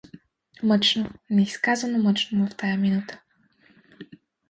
Мъчно, неизказано мъчно му е в тая минута.